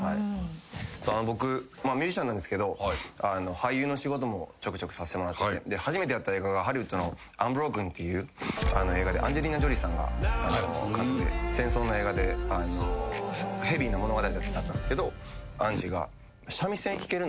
僕ミュージシャンなんですけど俳優の仕事もちょくちょくさしてもらってて初めてやった映画がハリウッドの『アンブロークン』っていう映画でアンジェリーナ・ジョリーさんが監督で戦争の映画でヘビーな物語だったんですけどアンジーが。